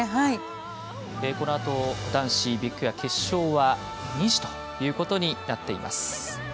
このあと、男子ビッグエア決勝は２時ということになっています。